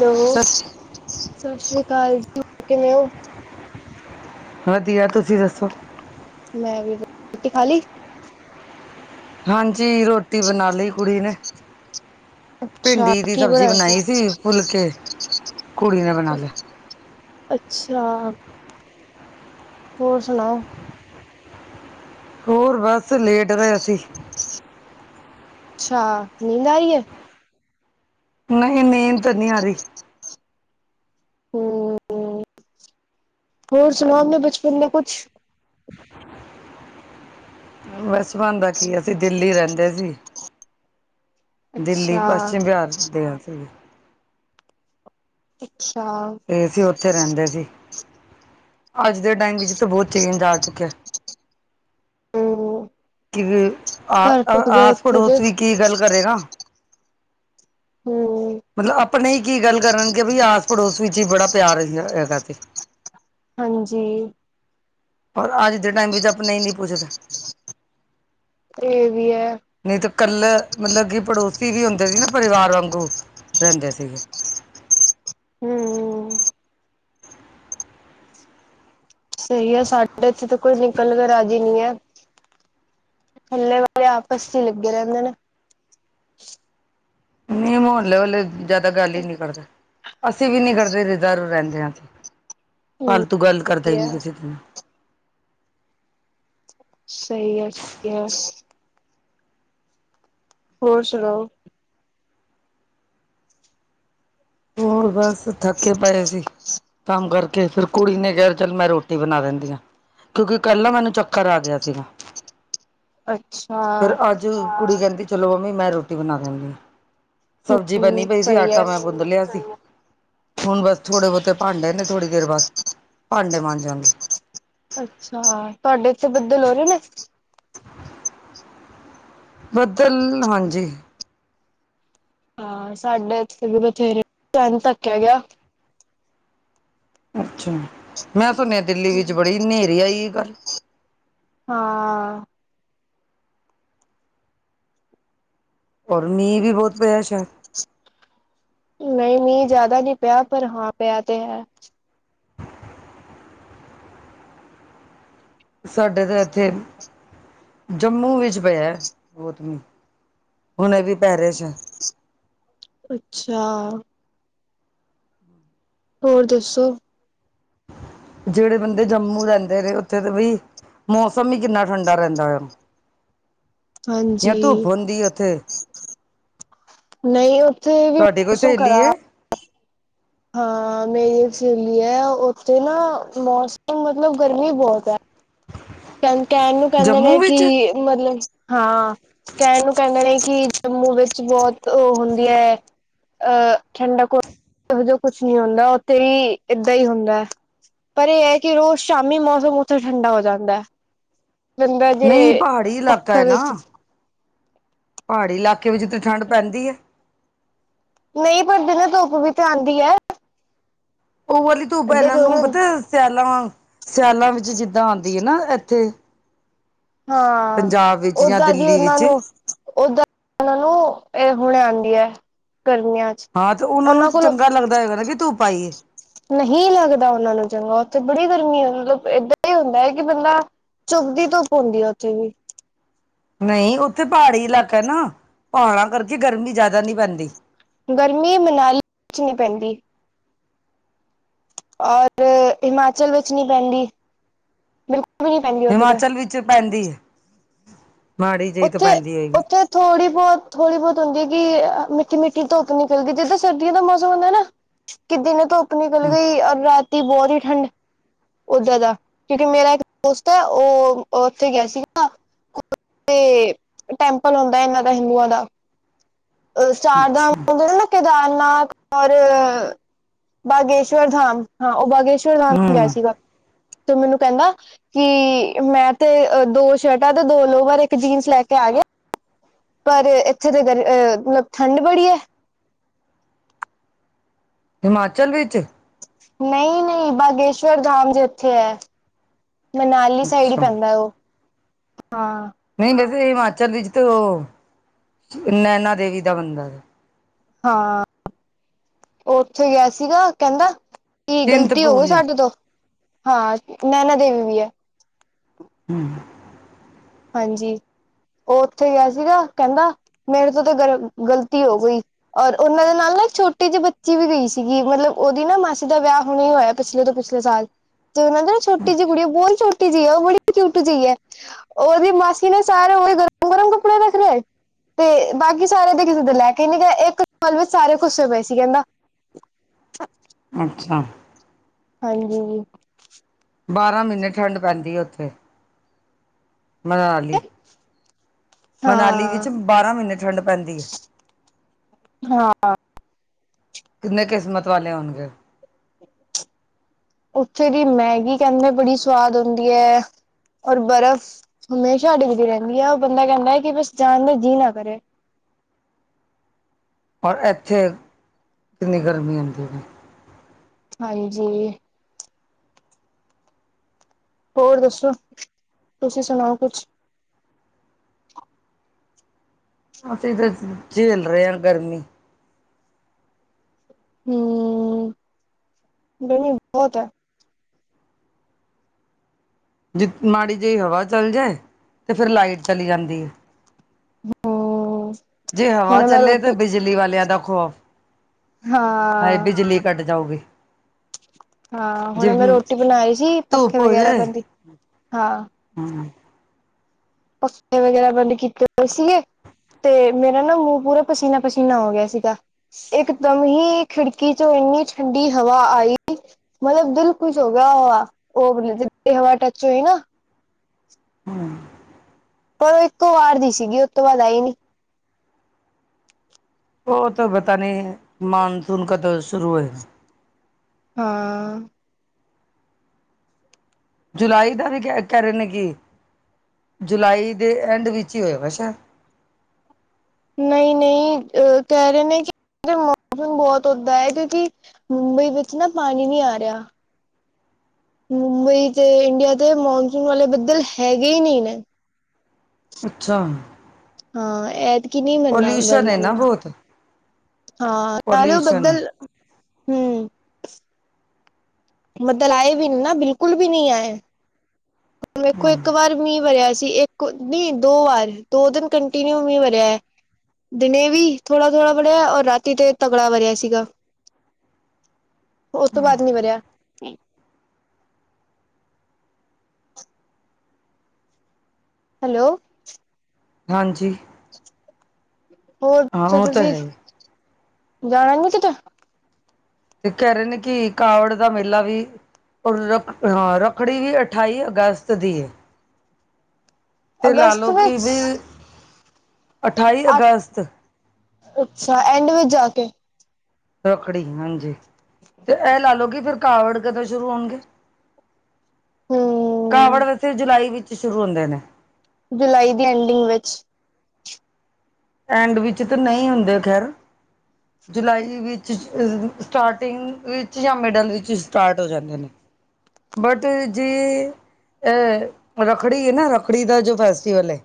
Hello, sir Sat Sri ਅਕਾਲ ਜੀ। ਹੋਰ ਕਿਵੇਂ ਹੋ? ਵਧੀਆ ਤੁਸੀਂ ਦੱਸੋ। ਮੈਂ ਵੀ ਰੋਟੀ ਖਾ ਲਈ। ਹਾਂਜੀ, ਰੋਟੀ ਬਣਾ ਲਈ ਕੁੜੀ ਨੇ। ਅੱਛਾ ਭਿੰਡੀ ਦੀ ਕੀ ਸਬਜ਼ੀ ਬਣਾਇਆ ਬਣਾਈ ਸੀ ਫੁੱਲ ਕੇ ਕੁੜੀ ਨੇ ਬਣਾ ਲਿਆ। ਅੱਛਾ। ਹੋਰ ਸੁਣਾਓ। ਹੋਰ ਬਸ ਲੇਟ ਰਿਹਾ ਸੀ‌। ਅੱਛਾ ਨੀਂਦ ਆਈ ਏ। ਨਹੀਂ, ਨੀਂਦ ਤਾਂ ਨੀ ਆ ਰਹੀ। ਹੋਰ ਸੁਣਾ, ਬਚਪਨ ਕੇ ਕੁਛ। ਵਸ ਬਣਦਾ ਕੀ ਅਸੀਂ ਦਿੱਲੀ ਰਹਿੰਦੇ ਸੀ। ਦਿੱਲੀ ਅੱਛਾ ਪੱਛਮ ਬਿਹਾਰ ਦੇ [unintelligible] ਅੱਛਾ। ਤੇ ਗਏ ਸੀ ਉੱਥੇ ਰਹਿੰਦੇ ਸੀ ਅੱਜ। ਅੱਜ ਦੇ ਟਾਈਮ ਵਿੱਚ ਤਾਂ ਬਹੁਤ ਚੇਂਜ ਆ ਚੁੱਕਿਆ। ਹਮ ਕਿ ਆ ਘਰ ਟੁੱਟ ਗਏ ਆਸ ਉੱਥੇ ਦੇ ਪੜੋਸ ਵੀ ਕੀ ਗੱਲ ਕਰੇਗਾ ਹੂੰ,,, ਮਤਲਬ ਆਪਣੇ ਹੀ ਕੀ ਗੱਲ ਕਰਨਗੇ ਬੀ ਆਸ ਪੜੋਸ ਵਿੱਚ ਹੀ ਬੜਾ ਪਿਆਰ ਹੈਗਾ ਤੇ ਹਾਂਜੀ ਪਰ ਅੱਜ ਦੇ ਟਾਈਮ ਵਿੱਚ ਆਪਾਂ ਨਹੀਂ ਪੁੱਛਦਾ ਇਹ ਵੀ ਹੈ ਨਹੀਂ ਤਾਂ ਕੱਲ ਮਤਲਬ ਕਿ ਪੜੋਸੀ ਵੀ ਹੁੰਦੇ ਸੀ ਨਾ ਪਰਿਵਾਰ ਵਾਂਗੂ ਰਹਿੰਦੇ ਸੀਗੇ ਹੂੰ,,, ਸਹੀ ਹੈ ਸਾਡੇ ਇੱਥੇ ਤਾਂ ਕੋਈ ਨਿਕਲ ਕੇ ਰਾਜੀ ਨੀ ਐ ਇੰਨੇ ਵਜੇ ਆਪਸ ਚ ਹੀ ਲਿਬੜੇ ਰਹਿੰਦੇ ਨੇ ਨਹੀਂ ਮਹੱਲੇ ਵਾਲੇ ਜਿਆਦਾ ਗਾਲੀ ਨਹੀਂ ਕੱਢਦਾ ਅਸੀਂ ਵੀ ਨੀ ਕਰਦੇ ਜਧਰ ਰਹਿੰਦੇ ਹਾਂ ਹਮ ਫਾਲਤੂ ਗੱਲ ਕਰਦੇ ਸਹੀ ਹੀ ਹੈ ਨੀ ਕਿਸੇ ਦੀਨ ਸਹੀ ਐ ਯਸ ਹੋਰ ਸੁਣਾਓ ਹੋਰ ਬਸ ਥੱਕੇ ਪਏ ਸੀ ਕੰਮ ਕਰ ਕੇ ਫਿਰ ਕੁੜੀ ਨੇ ਕਿਹਾ ਚੱਲ ਮੈਂ ਰੋਟੀ ਬਣਾ ਦਿੰਦੀ ਹਾਂ ਕਿਉਂਕਿ ਕੱਲ ਮੈਨੂੰ ਚੱਕਰ ਆ ਗਿਆ ਸੀਗਾ ਅੱਛਾ ਜੋ ਕੁੜੀ ਕਹਿੰਦੀ ਚਲੋ ਮੰਮੀ ਮੈਂ ਰੋਟੀ ਬਣਾ ਦਿੰਨੀ ਹਾਂ ਸਬਜ਼ੀ ਹੂੰ ਬਨੀ ਪਈ ਸੀ ਸਹੀ ਆਟਾ ਹੈ। ਮੈਂ ਗੁੰਦ ਲਿਆ ਹੁਣ ਬਸ ਥੋੜੇ ਬਹੁਤੇ ਭਾਂਡੇ ਨੇ ਥੋੜ੍ਹੀ ਦੇਰ ਬਾਅਦ ਭਾਂਡੇ ਮਾਂਜਾਗੀ ਅੱਛਾ ਤੁਹਾਡੇ ਇੱਥੇ ਬੱਦਲ ਹੋ ਰਹੇ ਨੇ ਬੱਦਲ ਹਾਂਜੀ ਹਾਂ ਸਾਡੇ ਇਥੇ ਵੀ ਬਥੇਰੇ ਟੈਨ ਤੱਕ ਆ ਗਿਆ ਅੱਛਾ ਮੈਂ ਸੁਣਿਆ ਦਿੱਲੀ ਵਿੱਚ ਬੜੀ ਹਨੇਰੀ ਆਈ ਏ ਕੱਲ ਹਾਂ ਔਰ ਮੀਂਹ ਵੀ ਬਹੁਤ ਪਿਆ ਸ਼ਾਇਦ ਨਹੀਂ ਮੀਹ ਜ਼ਿਆਦਾ ਨਹੀਂ ਪਿਆ ਪਰ ਹਾਂ ਪਿਆ ਤੇ ਹੈ ਸਾਡੇ ਤਾਂ ਇੱਥੇ ਜੰਮੂ ਵਿੱਚ ਪਿਆ ਬਹੁਤ ਮੀਂਹ ਹੁਣੇ ਵੀ ਪੈ ਰਿਹਾ ਸੈ ਅੱਛਾ ਹੋਰ ਦੱਸੋ ਜਿਹੜੇ ਬੰਦੇ ਜੰਮੂ ਰਹਿੰਦੇ ਨੇ ਉੱਥੇ ਤੇ ਬਈ ਮੌਸਮ ਹੀ ਕਿੰਨਾ ਠੰਡਾ ਰਹਿੰਦਾ ਆ ਯਾਰ ਧੁੱਪ ਹਾਂਜੀ ਹੁੰਦੀ ਆ ਉਥੇ ਨਹੀਂ ਉੱਥੇ ਵੀ ਮੌਸਮ ਸਹੇਲੀ ਖਰਾਬ ਏ ਹਾਂ ਮੇਰੀ ਇੱਕ ਸਹੇਲੀ ਹੈ ਉੱਥੇ ਨਾ ਮੌਸਮ ਮਤਲਬ ਗਰਮੀ ਬਹੁਤ ਹੈ ਕ ਕਹਿਣ ਨੂੰ ਕਹਿੰਦੇ ਜੰਮੂ ਨੇ ਕਿ ਵਿੱਚ ਮਤਲਬ ਹਾਂ ਕਹਿਣ ਨੂੰ ਕਹਿੰਦੇ ਨੇ ਕਿ ਜੰਮੂ ਵਿੱਚ ਬਹੁਤ ਉਹ ਹੁੰਦੀਆਂ ਐ ਅਹ ਠੰਡਕ ਉਹੋ ਜਿਹਾ ਕੁਛ ਨੀ ਹੁੰਦਾ ਉੱਥੇ ਵੀ ਏਦਾਂ ਹੀ ਹੁੰਦਾ ਹੈ ਪਰ ਇਹ ਹੈ ਕਿ ਰੋਜ਼ ਸ਼ਾਮੀ ਮੌਸਮ ਉੱਥੇ ਠੰਡਾ ਹੋ ਜਾਂਦਾ ਬੰਦਾ ਨਹੀਂ ਜੇ ਪਹਾੜੀ ਇਲਾਕਾ ਪੱਖਾਂ ਹੈ ਨਾ। ਵਿੱਚ ਪਹਾੜੀ ਇਲਾਕੇ ਵਿੱਚ ਤੇ ਠੰਢ ਪੈਂਦੀ ਏ ਨਹੀਂ ਪਰ ਦਿਨੇ ਧੁੱਪ ਵੀ ਤੇ ਆਉਂਦੀ ਹੈ ਉਹ ਵਾਲੀ ਧੁੱਪ ਏਦਾਂ ਇਹਨਾਂ ਨੂੰ ਥੋੜੀ ਪਤਾ ਸਿਆਲਾਂ ਸਿਆਲਾਂ ਵਿੱਚ ਜਿੱਦਾਂ ਆਉਂਦੀ ਹੈ ਨਾ ਇੱਥੇ ਹਾਂ ਪੰਜਾਬ ਵਿੱਚ ਜਾਂ ਓਦਾਂ ਦੀ ਦਿੱਲੀ ਉਹਨਾਂ ਵਿੱਚ ਨੂੰ ਓਦਾਂ ਉਹਨਾਂ ਨੂੰ ਇਹ ਹੁਣ ਆਉਂਦੀ ਹੈ ਗਰਮੀਆਂ ਚ ਹਾਂ ਤੇ ਉਹਨਾਂ ਨੂੰ ਚੰਗਾ ਲੱਗਦਾ ਹੈਗਾ ਨਾ ਕਿ ਧੁੱਪ ਆਈ ਏ ਨਹੀਂ ਲੱਗਦਾ ਉਹਨਾ ਨੂੰ ਚੰਗਾ ਉੱਥੇ ਬੜੀ ਗਰਮੀ ਏ ਮਤਲਬ ਏਦਾਂ ਹੀ ਹੁੰਦਾ ਹੈ ਕਿ ਬੰਦਾ ਚੁਭਦੀ ਧੁੱਪ ਹੁੰਦੀ ਉੱਥੇ ਵੀ ਨਹੀਂ ਉੱਥੇ ਪਹਾੜੀ ਇਲਾਕਾ ਏ ਨਾ ਪਹਾੜਾਂ ਕਰਕੇ ਗਰਮੀ ਜ਼ਿਆਦਾ ਨਹੀਂ ਪੈਂਦੀ ਗਰਮੀ ਮਨਾਲੀ 'ਚ ਨਹੀਂ ਪੈਂਦੀ। ਔਰ ਹਿਮਾਚਲ ਵਿੱਚ ਨੀ ਪੈਂਦੀ ਬਿਲਕੁਲ। ਵੀ ਨੀ ਪੈਂਦੀ ਉੱਥੇ ਤੇ ਹਿਮਾਚਲ ਵਿੱਚ ਪੈਂਦੀ ਐ ਉੱਥੇ ਉੱਥੇ। ਥੋੜ੍ਹੀ ਬਹੁਤ ਥੋੜੀ ਬਹੁਤ ਹੁੰਦੀ ਕਿ ਮਿੱਠੀ ਮਿੱਠੀ ਧੁੱਪ ਨਿਕਲ ਗਈ ਜਿੱਦਾਂ ਸਰਦੀਆਂ ਦਾ ਮੌਸਮ ਹੁੰਦਾ ਨਾ। ਕਿ ਦਿਨੇ ਧੁੱਪ ਨਿਕਲ ਗਈ ਔਰ ਰਾਤੀ ਬਹੁਤ ਹੀ ਠੰਡ। ਬਹੁਤ ਜਿਆਦਾ ਕਿਉਂਕਿ ਮੇਰਾ ਇੱਕ ਦੋਸਤ ਹੈ। ਉਹ ਉੱਥੇ ਗਿਆ ਸੀਗਾ ਨਾ ਉੱਥੇ ਟੈਂਪਲ ਹੁੰਦਾ ਏ ਇਹਨਾਂ ਦਾ ਹਿੰਦੂਆਂ ਦਾ। ਅ ਚਾਰ ਧਾਮ ਅੱਛਾ ਹੁੰਦੇ ਨੇ ਨਾ ਕੇਦਾਰਨਾਥ ਔਰ ਬਾਗੇਸ਼ਵਰ ਧਾਮ ਹਾਂ ਉਹ ਬਾਗੇਸ਼ਵਰ। ਗੇਆ ਹਮ ਸੀਗਾ ਤੇ ਮੈਨੂੰ ਕੈਂਦਾ ਕੀ ਮੈਂ ਤੇ ਦੋ ਸ਼ਰਟਾਂ ਤੇ ਦੋ ਲੋਵਰ ਏਕ ਜੀਨਸ ਲੈ ਕੇ ਆ ਗੇਆ ਪਰ ਏਥੇ ਤੇ ਏ ਗਰਮੀ ਏ ਠੰਡ ਬੜੀ ਐ ਹੀਮਾਚਲ ਵੇਚ? ਨਈ-ਨਈ ਬਾਗੇਸ਼ਵਰ ਦਾਮ ਦੇ ਜੀਥੇ ਐ। ਮਨਾਲੀ ਸਾਈਡ ਈ ਅੱਛਾ ਪੈਂਦਾ ਓ, ਹਾਂ। ਨਈ ਵੈਸੇ ਹੀਮਾਚਲ ਵੀਚ ਤੇ ਓ, ਨੈਨਾ ਦੇਵੀ ਦਾ ਮੰਦਰ ਐ। ਹਾਂ, ਓਥੇ ਗੇਆ ਸੀਗਾ ਕੈਂਦਾ ਕੀ ਗ਼ਲਤੀ ਹੋ ਗਈ ਚਿੰਤਪੂਰਨੀ ਸਾਡੇ ਤੋਂ ਹਾਂ ਨੈਨਾ ਦੇਵੀ ਵੀ ਐ ਹੂੰ ਹਾਂਜੀ, ਓ ਓਥੇ ਗੇਆ ਸੀਗਾ ਕੈਂਦਾ ਮੇਰੇ ਤੋਂ ਤੇ ਗਲ ਗ਼ਲਤੀ ਹੋ ਗਈ ਔਰ ਓਨਾਂ ਦੇ ਨਾਲ ਨਾ ਏਕ ਛੋਟੀ ਜੀ ਬੱਚੀ ਵੀ ਗਈ ਸੀਗੀ ਮਤਲਬ ਓਦੀ ਨਾ ਮਾਸੀ ਦਾ ਵੇਆ ਹੁਣੇ ਹੋਏਆ ਪੀਛਲੇ ਤੋਂ ਪੀਛਲੇ ਸਾਲ, ਤੇ ਓਨਾਂ ਦੀ ਨਾ ਛੋਟੀ ਜੀ ਗੜੀਆ ਬੌ ਛੋਟੀ ਜੀ ਆ ਓ ਬੜੀ ਕੀਊਟ ਜੀ ਐ ਓਦੀ ਮਾਸੀ ਨੇ ਸਾਰੇ ਓਦੇ ਗਰਮ-ਗਰਮ ਕੱਪੜੇ ਰੱਖ ਲਏ ਤੇ ਬਾਕੀ ਸਾਰੇ ਦੇ ਕਿਸੇ ਦੇ ਲੈ ਕੇ ਨੀ ਗਏ ਏਕ ਕੰਬਲ ਵੇਚ ਸਾਰੇ ਖੁੱਸੇ ਪਏ ਸੀ ਕੈਂਦਾ। ਅੱਛਾ। ਹਾਂਜੀ। ਬਾਰਾਂ ਮੀਨੇ ਠੰਡ ਪੈਂਦੀ ਐ ਓਥੇ ਮਨਾਲੀ ਮਨਾਲੀ ਹਾਂ ਵਿੱਚ ਬਾਰਾਂ ਮੀਨੇ ਠੰਡ ਪੈਂਦੀ ਹਾਂ ਕੀਨੇ ਕੀਸਮਤ ਵਾਲੇ ਹੋਣਗੇ ਓ ਓਥੇ ਦੀ ਮੈਗੀ ਕੈਂਦੇ ਬੜੀ ਸਵਾਦ ਹੁੰਦੀ ਐ ਔਰ ਬਰਫ਼, ਹਮੇਸ਼ਾ ਡਿੱਗਦੀ ਰੈਂਦੀ ਐ ਔਰ ਬੰਦਾ ਕੈਂਦਾ ਐ ਕੇ ਬਸ ਜਾਣ ਦਾ ਜੀਅ ਨਾ ਕਰੇ। ਔਰ ਐਥੇ ਕੀਨੀ ਗਰਮੀ ਹੁੰਦੀ ਐ। ਹਾਂਜੀ। ਹੋਰ ਦੱਸੋ, ਤੁਸੀਂ ਸੁਣਾਓ ਕੁਛ? ਅਸੀਂ ਤਾਂ ਝੇਲ ਰਏ ਆਂ ਗਰਮੀ। ਹੂੰ, ਗਰਮੀ ਬੌਤ ਐ। ਜੇ ਮਾੜੀ ਜਈ ਹਵਾ ਚੱਲ ਜਾਏ ਤੇ ਫੇਰ ਲਾਈਟ ਚਲੀ ਜਾਂਦੀ ਏ ਹਮ ਜੇ ਹਵਾ ਹੁਣ ਮੈਂ ਚੱਲੇ ਤਾਂ ਰੋਟੀ ਬੀਜਲੀ ਵਾਲੇਆਂ ਦਾ ਖੋਫ ਹਏ ਹਾਂ ਬੀਜਲੀ ਕੱਟ ਜਾਊਗੀ। ਹਾਂ ਹੁਣ ਜੇ ਮੈਂ ਰੋਟੀ ਬਣਾਈ ਸੀ ਪੱਖੇ ਧੂਪ ਵਗੈਰਾ ਬੰਦ, ਹਾਂ। ਹੂੰ। ਪੱਖੇ ਵਗੈਰਾ ਬੰਦ ਕੀਤੇ ਹੋਏ ਸੀਗੇ ਤੇ ਮੇਰਾ ਨਾ ਮੂੰ ਪੂਰਾ ਪਸੀਨਾ- ਪਸੀਨਾ ਹੋ ਗੇਆ ਸੀਗਾ ਏਕਦਮ ਹੀ ਖੀੜਕੀ ਚੋ ਐਨੀ ਠੰਡੀ ਹਵਾ ਆਈ ਮਤਲਵ ਦੀਲ ਖੁਸ਼ ਹੋ ਗੇਆ ਓ ਆ ਜੀ ਹਵਾ ਟੱਚ ਹੋਈ ਨਾ ਹੂੰ। ਪਰ ਈਕੋ ਵਾਰ ਦੀ ਸੀਗੀ ਓਤੋਂ ਬਾਦ ਆਈ ਨੀ। ਓ ਤਾਂ ਪਤਾ ਨੀ ਮਾਨਸੂਨ ਕਦੋਂ ਸ਼ੁਰੂ ਹੋਏ। ਹਾਂ ਜੁਲਾਈ ਦਾ ਵੀ ਕੈ ਕੈਰਨਕੀ ਜੁਲਾਈ ਦੇ ਐਂਡ ਵੀਚ ਈ ਹੋਏਗਾ ਸ਼ ਨਈ-ਨਈ ਆ ਕੈ ਰਏ ਨੇ ਕੀ ਮੌਸਮ ਬੋਤ ਓਦਾਂ ਐ ਕੋਕੀ ਮੁੰਬਈ ਵਿੱਚ ਨਾ ਪਾਣੀ ਨੀ ਆ ਰੇਆ ਮੁੰਬਈ ਚ ਈਡੀਆ ਦੇ ਮਨਸੂਨ ਵਾਲੇ ਬੱਦਲ ਹੈਗੇ ਈ ਨਹੀਂ ਨਾ ਅੱਛਾ। ਹਾਂ ਐਤ ਕੀ ਨੀ ਵਰਨਾ ਪੋਲਿਊਸ਼ਨ ਹੈ ਵਰਨਾ ਨਾ ਮੀਅ। ਬਹੁਤ ਹਾਂ ਨਾਲੇ ਓ ਪੋਲਿਊਸ਼ਨ ਬੱਦਲ ਹਮ। ਬਦਲ ਆਏ ਵੀ ਨੀ ਨਾ ਬਿਲਕੁਲ ਵੀ ਨੀ ਆਏ। ਵੇਖੋ ਹਾਂ ਇੱਕ ਵਾਰ ਮੀਹ ਵਰਆ ਸੀ ਇੱਕ ਨੀ ਦੋ ਵਾਰ ਦੋ ਦਿਨ ਕੰਟੀਨਿਊ ਮੀਹ ਵਰਆ ਐ। ਦਿਨੇ ਵੀ ਥੋੜਾ ਥੋੜਾ ਵੜਆ ਆ ਔਰ ਰਾਤੀ ਤੇ ਤਕੜਾ ਵਰਆ ਸੀਗਾ ਓ ਤੋਂ ਬਾਦ ਨੀ ਵਰਆ ਹੈਲੋ। ਹਾਂਜੀ। ਹੋਰ ਹਾਂ ਸੋ ਉਹ ਤਾਂ ਤੁਸੀ ਹੈ ਹੀ ਜਾਣਾ ਨੀ ਕੀਤੇ? ਏ ਕਹ ਰਹੇ ਨੇ ਕੀ ਕਾਵੜ ਦਾ ਮੇਲਾ ਵੀ ਔਰ ਹਾਂ ਰੱਖੜੀ ਵੀ ਅਠਾਈ ਅਗਸਤ ਦੀ ਏ। ਤੇ ਲਾ ਅਗਸਤ ਕੀ ਵਿੱਚ ਬੀ ਅਠਾਈ ਅੱ ਅਗਸਤ ਅੱਛਾ ਐਂਡ ਵਿੱਚ ਜਾ ਕੇ ਰੱਖੜੀ ਹਾਂਜੀ ਤੇ ਏ ਲਾ ਲੌ ਕੀ ਫੇਰ ਕਾਵੜ ਕਦੋਂ ਸ਼ੁਰੂ ਹੋਨਗੇ ਹੂੰ ਕਾਵੜ ਵੈਸੇ ਜੁਲਾਈ ਵਿੱਚ ਸ਼ੁਰੂ ਹੁੰਦੇ ਨੇ। ਜੁਲਾਈ ਦੀ ਐਂਡਿੰਗ ਵਿੱਚ। ਐਂਡ ਵਿੱਚ ਤੇ ਨਈ ਹੁੰਦੇ ਖੈਰ। ਜੁਲਾਈ ਵਿੱਚ ਸਟਾਰਟਿੰਗ ਵਿੱਚ ਯਾ ਮਿਡਲ ਵਿੱਚ ਸਟਾਰਟ ਹੋ ਜਾਂਦੇ ਨੇ। ਬਟ ਜੇ ਅ ਰੱਖੜੀ ਏ ਨਾ ਰੱਖੜੀ ਦਾ ਜੋ ਫੈਸਟਟੀਵਲ ਏ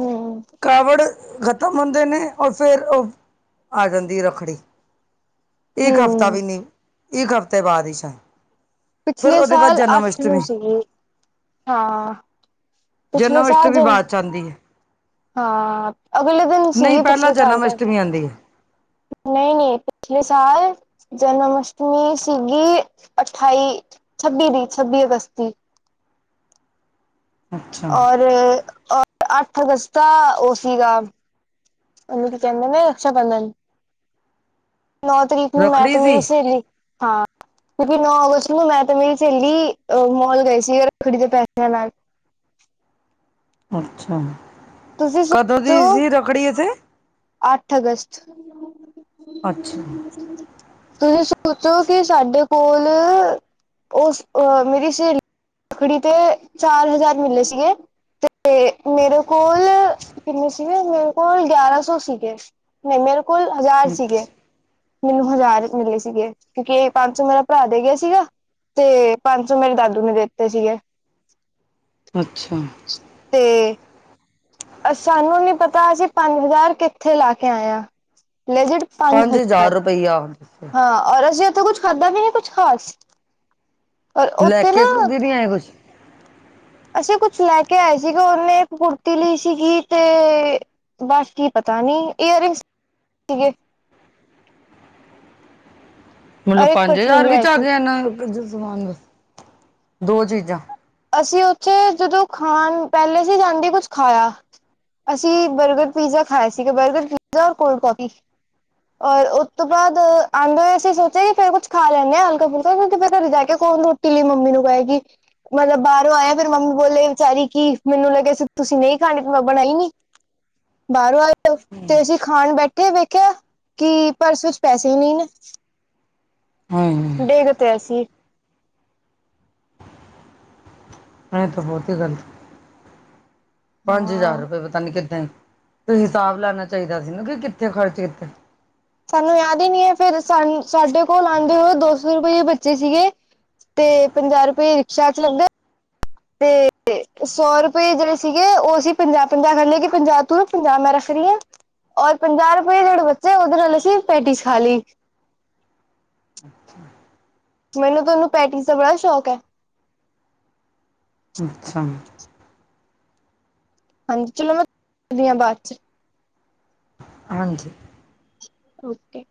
ਹੂੰ ਕਾਵੜ ਖਤਮ ਹੁੰਦੇ ਨੇ ਔਰ ਫੇਰ ਓ ਆ ਜਾਂਦੀ ਏ ਰੱਖੜੀ। ਇੱਕ ਹਫਤਾ ਵੀ ਹੂੰ ਨੀ ਇੱਕ ਹਫ਼ਤੇ ਬਾਦ ਈ ਸ਼ਾ ਪਿਛਲੇ ਸਾਲ ਅੱਠ ਨੂੰ ਸੀਗੀ ਹਾਂ ਪਿਛਲੇ ਜਨਮ ਸਾਲ ਅਸ਼ਟਮੀ ਜਨ ਹ ਬਾਅਦ ਚ ਆਉਂਦੀ ਹੈ ਹਾਂ ਅਗਲੇ ਦਿਨ ਨਹੀਂ ਸੀਗੀ ਪਹਿਲਾਂ ਪਿਛਲੇ ਸਾਲ ਜਨਮ ਤੇ ਅਸ਼ਟਮੀ ਆਉਂਦੀ ਹੈ ਨਈ ਨਈ ਪਿਛਲੇ ਸਾਲ ਜਨਮ ਅਸ਼ਟਮੀ ਸੀਗੀ ਅਠਾਈ ਛੱਬੀ ਦੀ ਛੱਬੀ ਅਗਸਤ ਦੀ। ਅੱਛਾ ਔਰ ਅ ਅੱਠ ਅਗਸਤ ਦਾ ਓ ਸੀਗਾ ਓਨੂੰ ਕੀ ਕੇਂਦੇ ਨੇ ਰਕਸ਼ਾ ਬੰਦਨ ਨੌ ਤਰੀਕ ਨੂੰ ਮੈਂ ਰੱਖੜੀ ਤੇ ਸੀ ਮੇਰੀ ਸੇਲੀ ਹਾਂ ਕਿਉਂਕਿ ਨੌ ਅਗਸਤ ਨੂੰ ਮੈਂ ਤੇ ਮੇਰੀ ਸੇਲੀ ਅ ਮੋਲ ਗਏ ਸੀ ਰੱਖੜੀ ਦੇ ਪੈਸਆਂ ਨਾਲ ਅੱਛਾ। ਤੁਸੀਂ ਕਦੋਂ ਦੀ ਸੋਚੋ ਸੀ ਰੱਖੜੀ ਇੱਥੇ ਅੱਠ ਅਗਸਤ ਅੱਛਾ। ਤੁਸੀਂ ਸੋਚੋ ਕਿ ਸਾਡੇ ਕੋਲ ਉਸ ਅ ਮੇਰੀ ਸੇਲ ਰੱਖੜੀ ਤੇ ਚਾਰ ਹਜ਼ਾਰ ਮਿਲੇ ਸੀਗੇ ਤੇ ਮੇਰੇ ਕੋਲ ਕਿੰਨੇ ਸੀਗੇ ਮੇਰੇ ਕੋਲ ਗਿਆਰਾ ਸੋ ਸੀਗੇ ਨੀ ਮੇਰੇ ਕੋ ਕੋਲ ਹਜ਼ਾਰ ਸੀਗੇ ਮੈਨੂੰ ਹਜ਼ਾਰ ਮਿਲੇ ਸੀਗੇ ਕਿਉਂਕਿ ਏਹ ਪੰਜ ਸੌ ਮੇਰਾ ਭਰਾ ਦੇ ਗਆ ਸੀਗਾ ਤੇ ਪੰਜ ਸੌ ਮੇਰੇ ਦਾਦੂ ਨੇ ਦਿੱਤੇ ਸੀਗੇ। ਅੱਛਾ। ਤੇ ਸਾਨੂੰ ਨੀ ਪਤਾ ਅਸੀਂ ਪੰਜ ਹਜ਼ਾਰ ਕਿੱਥੇ ਲਾ ਕੇ ਆਏ ਆ ਲੇਜੇਡ ਪੰਜ ਹਜ਼ਾਰ ਹਜਾਰ ਰੁਪਈਆ ਹਾਂ ਔਰ ਅਸੀਂ ਓਥੇ ਕੁਛ ਖਾਧਾ ਵੀ ਨੀ ਕੁਛ ਖਾਸ ਅ ਉੱਥੇ ਨਾ ਕਿ ਐ ਕੁਛ ਅਸੀਂ ਕੁਛ ਲੈ ਕੇ ਆਏ ਸੀਗੇ ਉਹਨੇ ਇੱਕ ਕੁੜਤੀ ਲਈ ਸੀਗੀ ਤੇ ਬਸ ਕੀ ਪਤਾ ਨੀ, ਏਅਰਿੰਗਸ ਸੀਗੇ [inaudible] ਹੁਣ ਪੰਜ ਪਰਫਿਊਮ ਹਜ਼ਾਰ ਵਿੱਚ ਲਿਆਏ ਆ ਸੀ ਗਿਆ ਇਨ੍ਹਾਂ ਕੁਝ ਸਮਾਨ ਦਾ ਦੋ ਚੀਜ਼ਾਂ ਅਸੀਂ ਉਥੇ ਜਦੋਂ ਖਾਣ ਪਹਿਲੇ ਸੀ ਜਾਂਦੇ ਕੁਛ ਖਾਇਆ ਅਸੀਂ ਬਰਗਰ ਪੀਜ਼ਾ ਖਾਏ ਸੀਗੇ ਬਰਗਰ ਪੀਜ਼ਾ ਔਰ ਕੋਲਡ ਕੌਫੀ ਔਰ ਉਸ ਤੋਂ ਬਾਅਦ ਆਉਂਦੇ ਹੋਏ ਅਸੀ ਸੋਚਿਆ ਕਿ ਪਹਿਲਾਂ ਕੁਛ ਖਾ ਲੈਂਦੇ ਹਾਂ ਹਲਕਾ ਫੁਲਕਾ ਕਿਉਂਕਿ ਫੇਰ ਘਰੇ ਜਾ ਕੇ ਕੋਣ ਕਿਲੀ ਮੰਮੀ ਨੂੰ ਕਏਗੀ ਮਤਲਬ ਬਾਹਰੋਂ ਆਇਆ ਫੇਰ ਮੰਮੀ ਬੋਲੇ ਵਿਚਾਰੀ ਕਿ ਮੈਨੂੰ ਲੱਗਿਆ ਤੁਸੀਂ ਨਹੀਂ ਖਾਣੀ ਫੇਰ ਮੈਂ ਬਣਾਈ ਨੀ ਬਾਹਰੋਂ ਆਏ ਤੇ ਅਸੀਂ ਖਾਣ ਬੈਠੇ ਵੇਖਿਆ ਕਿ ਪਰਸ ਵਿਚ ਪੈਸੇ ਹੀ ਨਹੀਂ ਨੇ ਹਮ ਡੇਗ ਤੇ ਅਸੀ ਇਹ ਤਾਂ ਬਹੁਤੀ ਗੱਲਤ ਪੰਜ ਹਜ਼ਾਰ ਹਾਂ। ਰੁਪਏ ਵ ਪਤਾ ਨੀ ਕਿੱਦੇਨ ਤੁਸੀਂ ਹਿਸਾਬ ਲੈਣਾ ਚਾਹੀਦਾ ਸੀ ਨ ਕਿ ਕਿੱਥੇ ਖਰਚ ਕੀਤੇ ਸਾਨੂੰ ਯਾਦ ਹੀ ਨੀ ਹੈ ਫੇਰ ਸਾਨੂੰ ਸਾਡੇ ਕੋਲ ਆਉਂਦੇ ਹੋਏ ਦੋ ਸੋ ਰੁਪਏ ਰੁਪਏ ਬੱਚੇ ਸੀਗੇ ਤੇ ਪੰਜਾਹ ਰੁਪਏ ਰਿਕਸ਼ਾ ਚ ਲੱਗੇ ਤੇ ਏ ਸੌ ਰੁਪਏ ਜਿਹੜੇ ਸੀਗੇ ਉਹ ਅਸੀਂ ਪੰਜਾਹ ਪੰਜਾਹ ਕਰਲੇ ਕਿ ਪੰਜਾਹ ਤੂੰ ਰਖ ਪੰਜਾਹ ਮੈਂ ਰੱਖ ਰਹੀ ਹਾਂ ਔਰ ਪੰਜਾਹ ਰੁਪਏ ਜਿਹੜੇ ਬੱਚੇ ਉਹਦੇ ਨਾਲ ਅਸੀਂ ਪੈਟੀਸ ਖਾ ਲਈ ਮੈਨੂੰ ਤੇ ਉਹਨੂੰ ਪੈਟੀਸ ਦਾ ਬੜਾ ਸ਼ੌਕ ਹੈ ਅੱਛਾ ਹਾਂਜੀ ਚਲੋ ਮੈਂ ਕਰਦੀ ਹਾਂ ਬਾਅਦ ਚ ਹਾਂਜੀ ਓਕੇ